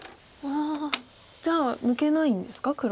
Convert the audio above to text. ああじゃあ抜けないんですか？